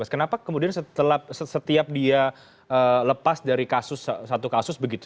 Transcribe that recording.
kenapa kemudian setiap dia lepas dari satu kasus begitu